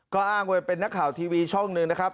ก็อ้างไว้เป็นนักข่าวทีวีช่องหนึ่งนะครับ